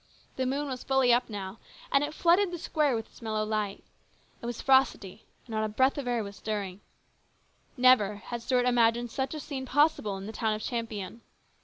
The moon was fully up now, and it flooded the square with its mellow light. It was frosty, and not a breath of air was stirring. Never had Stuart imagined such a scene possible in the town of Champion.